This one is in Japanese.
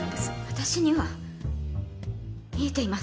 私には見えています